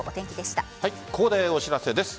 ここでお知らせです。